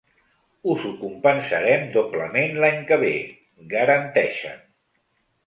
“Us ho compensarem doblement l’any que ve”, garanteixen.